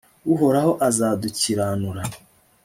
uhoraho azadukiranura